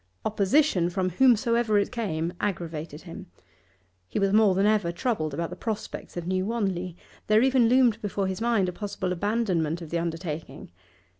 Opposition, from whomsoever it came, aggravated him. He was more than ever troubled about the prospects of New Wanley; there even loomed before his mind a possible abandonment of the undertaking.